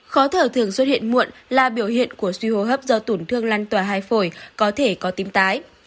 khó thở thường xuất hiện muộn là biểu hiện của suy hô hấp do tủn thương lăn tỏa hai phổi có thể có tím tái